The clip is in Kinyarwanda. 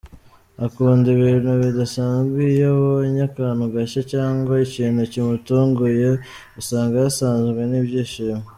Akunda ibintu bidasanzwe, iyo abonye akantu gashya cyangwa ikintu kimutunguye usanga yasazwe n’ibyishimo.